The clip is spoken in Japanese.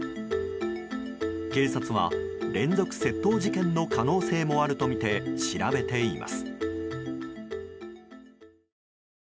警察は、連続窃盗事件の可能性もあるとみて調べています。